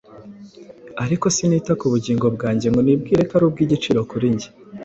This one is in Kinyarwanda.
Ariko sinita ku bugingo bwanjye, ngo nibwire ko ari ubw’igiciro kuri jye,